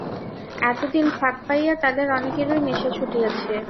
এতদিন ফাঁক পাইয়া তাদের অনেকেরই নেশা ছুটিয়াছে।